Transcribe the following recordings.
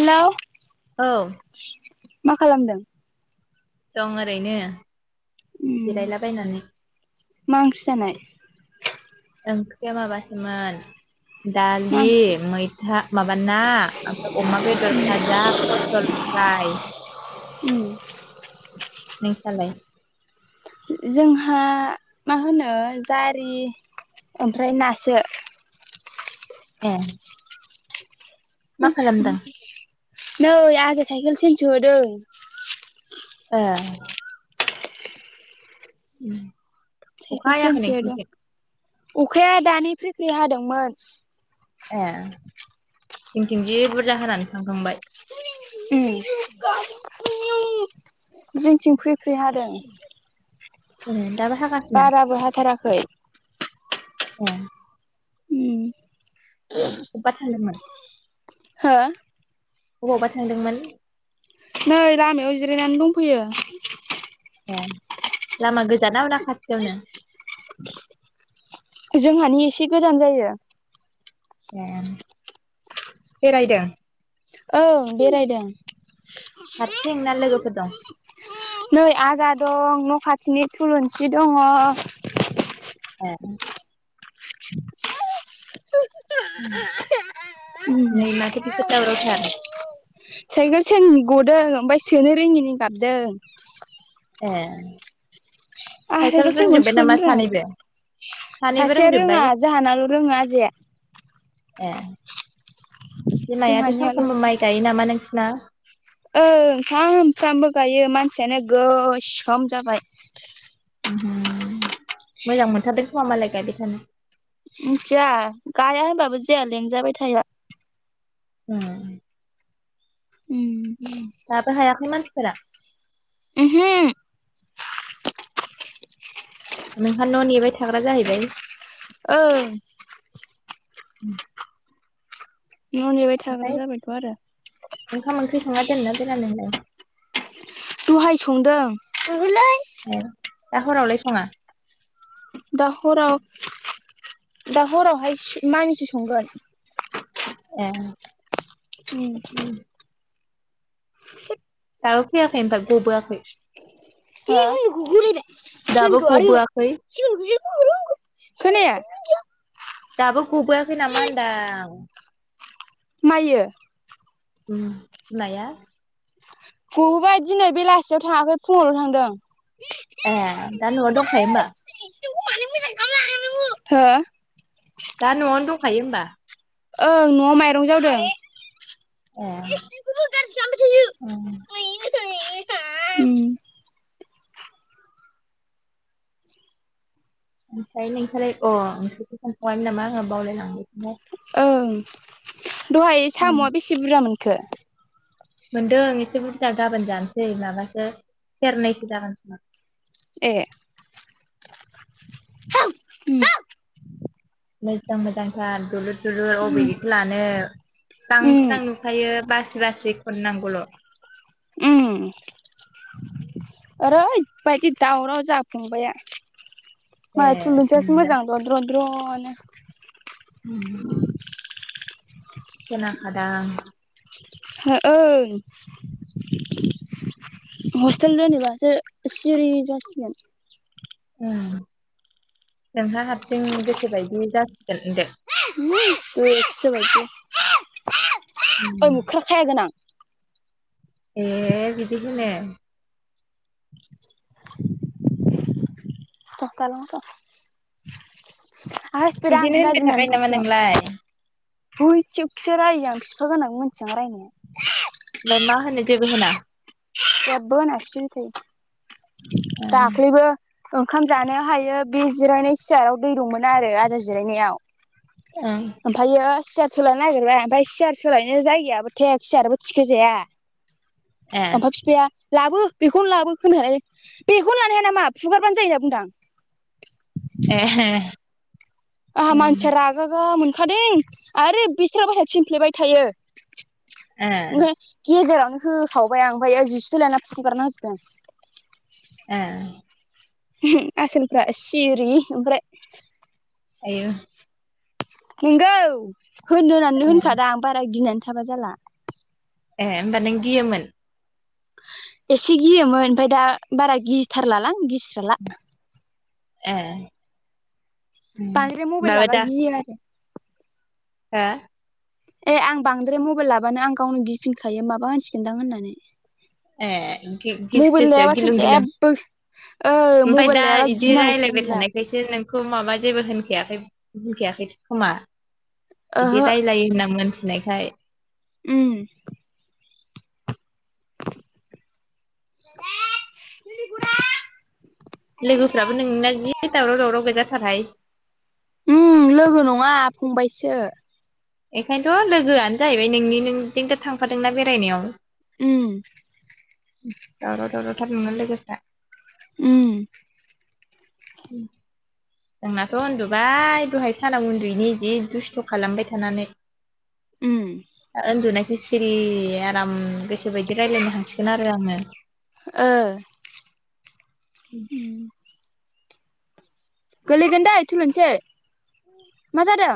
हेल' औ मा खालामदों? दं ओरैनो उम जिरायलाबायनानै मा ओंख्रि जानाय ओंख्रिया माबासोमोन मा दालि ओंख्रि मैथा माबा ना ओमफ्राय अमा बेदर भाजा पतल फ्राय उम नोंसालाय जोंहा मा होनो जारि ओमफ्राय नासो ए मा खालामदों [unintelligible] नै आजाया साइखेल सेन सो होदों ए साइकेल अखा हाखै सोनसो नोंसिनि होदों थिं अखाया दानि फ्रिख्रि हादोंमोन ए जिंनिथिं जि बुरजा होनानै थांखांबाय जोंथिं फ्रि फ्रि हादों ए दाबा हागा- बाराबो हाथाराखै अ उ अबबा थायोमोन? हो? अबावबा थांदोंमोन? नै लामायाव जिरायनानै दंफैयो। ए लामा गोजान नाा खाथियावनो जोंहानि एसे गोजान जायो। ए बेरायदों औओ बेरायदों हारसिं ना लोगोफोर दं? नै आजा दं न' खाथिनि थुलुनसि दङ। ए उ उ दावरावथार साइकेल सेन गदों ओमफाय सोनो रोङिनि गाबदों। ए आं साइकेल सेनखौनो रोंजोब्बाय सोनो नामा सानैबो रोङा। सानैबो सासेया रोंजोब्बाय रोङा जाहानाल' रोङा आजाया। ए बिमायाथ' जोंहानियाल' सानफ्रामबो माइ गायो नामा नोंसिना? ओं सामफ्रामबो गाइयो मानसियानो गोसोम जाबाय। ओहो मोजां मोनथारदों खोमा मालाय गायबाय थानो। मिनथिया गाइया होनबाबो जाया लेंजाबाय थायो। ए उम दाबो हायाखै मानसिफोरा? ओहो। नोंहा न' नेबाय थाग्रा जाहैबाय? ओं। ओमफ्राय न' नेबाय थाग्रा जाबायथ' आरो। ओंखाम ओंख्रि संना दोनना दोना नोंलाय? दहाय संदों। ए दा हरावलाय सङा? दा हराव दा हरावहाय मामिसे संगोन। ए उम दाबो फैयाखै आमफाय गबोयाखै? [inaudible] दाबो गबोआखै खोनाया? दाबो गबोयाखै नामा होनदां? माइयो? उम बिमाया? गबोबाय दिनै बेलासियाव थाङाखै फुङावल' थांदों। ए दा न'आव दंखायो होमबा? हो? दा न'आवनो दंखायो होनबा? ओं न'आव माइरं जावदों। ए बेखौबो गाज्रि ओं। [inaudible] ओमफ्राय नोंस्रालाय अ [unintelligible] नामा आङो बावलायलांबाय। ओं दहाय उम, साम'आ बेसे बुरजा मोनखो? मोनदों एसे बुरजा गाबोन जानोसै माबासो सेरनैसो जागोनखोमा। ए उम [unintelligible] ओमफ्रायो उम उम बासि बासि खननांगौल उम ओरैबायदि दावराव जा फंबाया। ए मालाय थुलुनसियासो मोनदों मोजां दद्रद्र' नो। [inaudible] खोनाखादां। हो ओं हस्टेल जेनेबासो सिरि जासिगोन। नोंहा हारसिं गोसोबायदि जासिगोन दे बायद ओइ मुख्रा खायाागोनोनां ए बिदिखनो [unintelligible] दखा लांथ हसिफद आ बिदिनो होनबाय थाखायो गाजिमान नामा फख्रियाव नोंलाय बयथिकसो रायो आं बिफा गोनां मिथिगां रायनाया ओफ्राय मा होनो जेबो होना जेबबो होनासिनोसै ओं दाख्लैबो ओंखाम जानो हायो बे जिरायनाय सियाराव दै दंमोन आरो आदार जिरायनायाव औं ओमफ्रायो सियार सोलायनो नागिरबाय ओमफफ्राय सियार सोलायनो जायगायाबो थेक सियारबो थिखोजाया ए मफा बिफाया लाबो बेखौनो लाबो होन बेखौनो लानो हाया नामा फुगारबानो जायो होनना बुंदां ए हे आंहा मानसिया रागा गा मोनखादों आरो बिस्र बस थिनफ्लेबाय थायो ए ओमफ्राय गेजेरावनो होखावबाय आं ओमफ्राय ओ जिस लायना फुगारना होजोबदों आं ए आसोलफ्रा सिरि ओमफ्राय [unintelligible] नोंगौ होन होननानै ए होनखादा आं बारा गिनानै थाबा जाला ए होमबा नों गियोमोन एसे गियोमोन ओमफफ्राय दा बारा गिथारलालां गिस्राला ए उम बांद्राय मबाइल माबा लाबा दा गियो आरो हो ए आं बांद्राय मबाइल लाबानो आं गावनो गिफिनखायो माबा होनसिगोनदां होननानै ए गि-गिस मबाइल गोसोआ लायाबाथ गिलुं गिलुं जेबो ओ मबाइल लायाबा बि गिनांगौखौनो रायज्लायबाय गैला थानायखायसो बिदि नोंखौ माबा जेबो होनखायाखै होनखायाखै खोमा ओहो [unintelligible] लायो होनना मिथिनायखाय उम [unintelligible] लोगोफ्राबो नोंना जि दावराव दावराव गैजाथारहाय उम लोगो नङा फंबायसो बेखायनोथ लोगोआनो जाहैबाय नोंनि नोंजोंथ थांफादोंना बेरायनायाव उम दावराव दावराव थार नोना लोगोफ्रा। उम उम जोंनाथ उन्दुबाय दहाय साना उन्दुयैनि जि दुस्थ खालामबाय थानानै उम। उन्दुनायखौ सिरि आराम गोसो बायदि रायजलायनो हासिगोन आरो आङो। ओ। [unintelligible] गोलैगोन दै थलुनुंसै मा जादों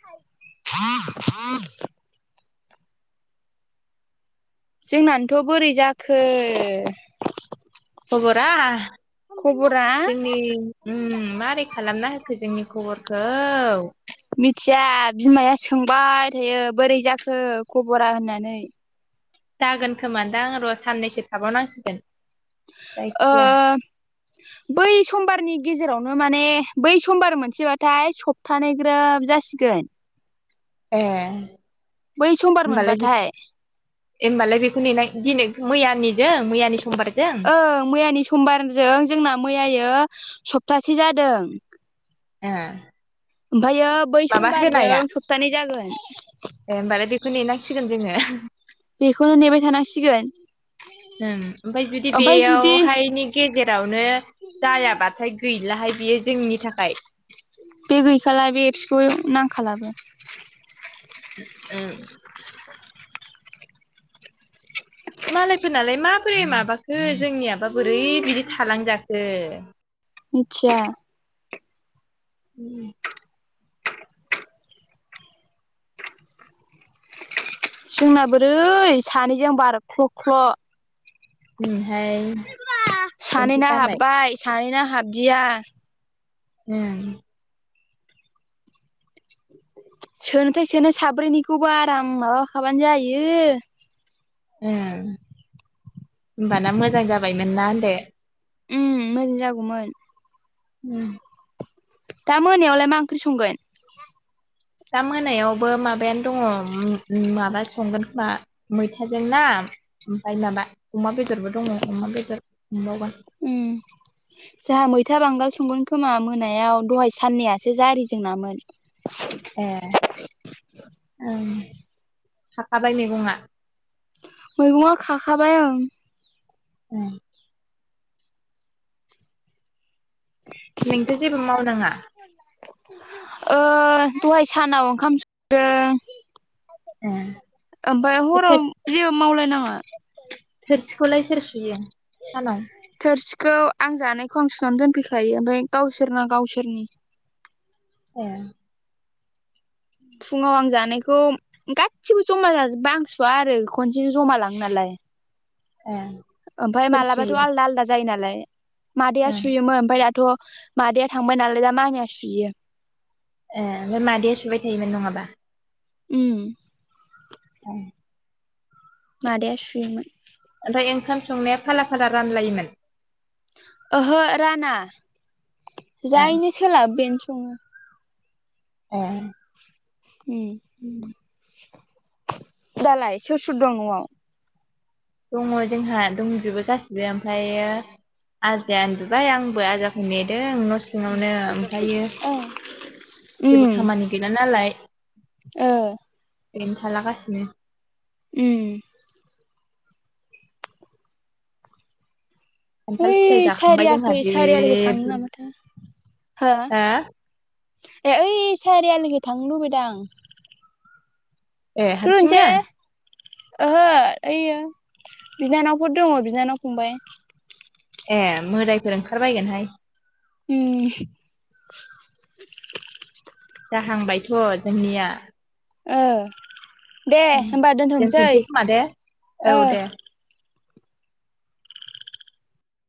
[unintelligible] जोंनानोथ बोरै जाखो हबरा खबरा जोंनि उम मारै खालामना होखो जोंनि खबरखौ? मिथिया बिमाया सोंबाय थायो बोरै जाखो खबरा होननानै? जागोन खोमा दां र' साननैसो थाबावनांसिगोन। ओ जायखिया बै समबारनि गेजेरावनो माने बै समबार मोनसेबाथाय सप्तानै ग्रोब जासिगोन। ए। बै समबार मोनबाथाय। एमबालाय बेखौ नेनाय दिनै मैयानि समबारजों ओं मैयानि समबारजों जोंना मैयायो सप्तासे जादों। ए। ओमफ्रायायो बै समबारजों सप्तानै जागोन। ए होनोमबालाय बेखौ नेेनांसिगोन जोङो। बेखौनो नेबाय थानांसिगोन‌। ओं ओमफ्राय जुदि जुदि बेयावहाय गेजेरावनो जायाबाथाय गैलाहाय बियो जोंनि थाखाय। बे गैखाला बे एबसखौ नांखालाबो। [unintelligible] मालायफोरनाालाय माबोरै माबाखो जोंनियाबा बोरै बिदि थालांजाखो। मिथिया। [inaudible] जोंना बोरै सानैजों आ बारख्ल' ख्ल' ओम हाय। सानै ना हाब्बाय सानै ना हाबदिया। ओम। सोनोथाय सोनो साब्रैनिखौबो आराम माबाखाबानो जायो। ओ होनबाना मोजां जाबायमोन ना होनदो। ओम मोजां जागौमोन। [unintelligible] दा मोनायावलाय मा ओंख्रि संगोन? दा मोनायावबो माबायानो दङ माबा संगोन खोमा मैथाजों ना ओमफ्राय माबा अमा बेदरबो दङ अमा बेदर मोनबावगोन। [inaudible] जाहा मैथा बांगाल संगोन खोमा मोनायाव दहाय साननैआसो जारि जोंनामोन। [unintelligible] ए ओं थाखाबाय मैगङा? मैगङा खाखाबाय ओं। [inaudible] नोंथो जेबो मावनाङा। ओ दहाय सानाव ओंखाम ए। ओमफफ्राय बे हराव जेबो मावलायनाङा थोरसिखौलाय सोर सुयो? सानाव थोरसिखौ आं जानायखौ आं सुनानै दोनफैखायो ओमफफ्राय गावसोरना गावसोरनि ए। फुङाव आं जानायखौ गासिबो जमा जाजोबा आं सुवा आरो खनसेनो जमा लाङो नालाय। [inaudible] ओमफाय सोर मालाबाथ' सुयो आलदा आलदा जायो नालाय मादैया ए सुयोमोन ओमफफ्राय दाथ' मादैया थांबाय नालाय दा मामिया सुयो। ए ओमफ्राय मादैया सुबाय थायोमोन नङाबा उम। [inaudible] मादैया सुयोमोन। ओमफ्राय ओंखाम संनाया फाला फाला रानलायोमोन। ओहो राना ए जायनो सोलाब बेनो सङो। ए। उम। उम। दालाय सोर सोर दं न'आव? दङ जोंहा दंजोबो गासिबो ओमफ्रायो आजाया उन्दुबबाय आंबो आजा नेदों न' सिङावनो ओमफ्रायो जेबो उम खामानि गैला नालाय ओ बेनो थालागासिनो उम खान्थाल फिथाइ हैओइ जाखांबाय जोंहा सारियाखै जि सारियालागै थाङो नामाथो हा बुरजा ए ओइ सारियालिगै थांनो लुबैदां। ए थु थांसे हारसिंनो ओहो ओइयो बिनानावफोर दङ बिनानाव फंबाय। ए मोदायफोर ओंखारबायगोनहाय। उम। जाहांबायथ' जोंनिया ओ दे होनोमबा दोनथ'सै दोनथ'नोसै खोमा दे औ ओ। दे